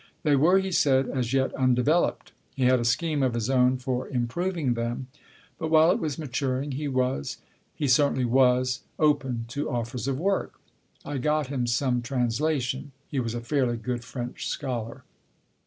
They were, he said, as yet undeveloped. He had a scheme of his own for improving them, but while it was maturing he was, he certainly was open to offers of work. I got him some translation. (He was a fairly good French scholar.)